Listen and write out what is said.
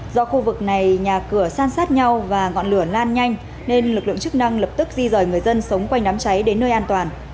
do khu vực này nhà cửa san sát nhau và ngọn lửa lan nhanh nên lực lượng chức năng lập tức di rời người dân sống quanh đám cháy đến nơi an toàn